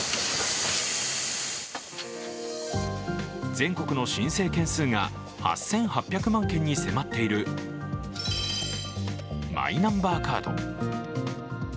全国の申請件数が８８００万件に迫っているマイナンバーカード。